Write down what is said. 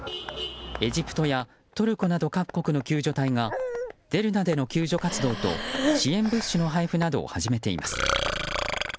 エジプトやトルコなど各国の救助隊がデルナでの救助活動と支援物資の配布などを始めています。